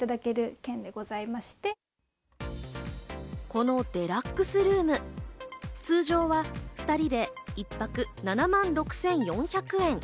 このデラックスルーム、通常は２人で１泊７万６４００円。